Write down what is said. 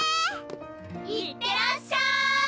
いってらっしゃい！